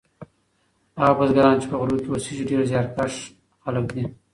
هغه بزګران چې په غرو کې اوسیږي ډیر زیارکښ خلک دي.